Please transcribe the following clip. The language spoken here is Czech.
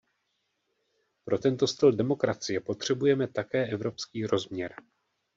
Pro tento styl demokracie potřebujeme také evropský rozměr.